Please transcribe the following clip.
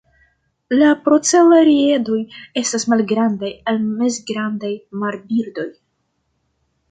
La procelariedoj estas malgrandaj al mezgrandaj marbirdoj.